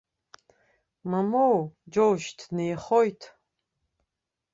Мамоу, џьоушьҭ, днеихоит.